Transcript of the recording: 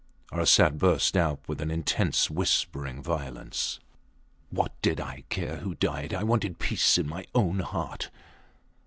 Arsat burst out with an intense whispering violence What did I care who died? I wanted peace in my own heart.